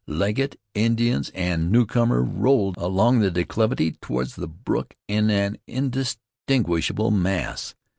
Legget, Indians, and newcomer rolled along the declivity toward the brook in an indistinguishable mass.